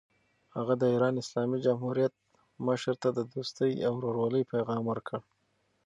هغه د ایران اسلامي جمهوریت مشر ته د دوستۍ او ورورولۍ پیغام ورکړ.